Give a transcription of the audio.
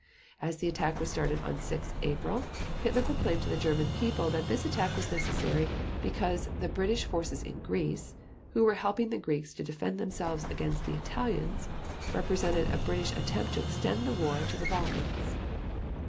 As the attack was starting on 6 April, Hitler proclaimed to the German people that this attack was necessary because the British forces in Greece (who were helping the Greeks to defend themselves against the Italians) represented a British attempt to extend the war to the Balkans.